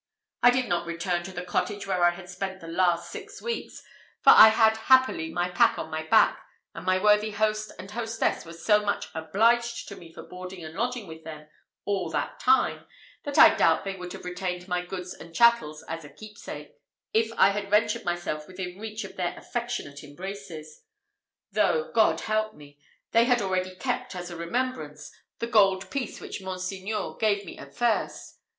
I did not return to the cottage where I had spent the last six weeks, for I had happily my pack on my back, and my worthy host and hostess were so much obliged to me for boarding and lodging with them all that time, that I doubt they would have retained my goods and chattels as a keepsake, if I had ventured myself within reach of their affectionate embraces; though, God help me! they had already kept, as a remembrance, the gold piece which monseigneur gave me at first.